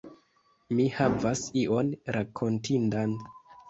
Mi havas ion rakontindan.